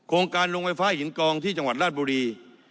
โรงการลงไฟฟ้าหินกองที่จังหวัดราชบุรี